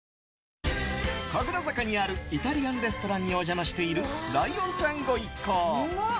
神楽坂にあるイタリアンレストランにお邪魔しているライオンちゃん御一行。